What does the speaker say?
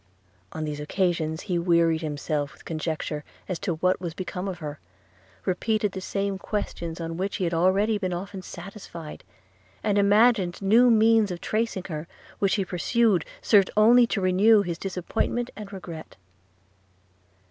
On these occasions he wearied himself with conjecture as to what was become of her; repeated the same questions on which he had already been often satisfied; and imagined new means of tracing her, which he pursued, served only to renew his disappointment and regret.